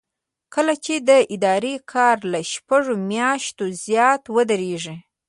کله چې د ادارې کار له شپږو میاشتو زیات ودریږي.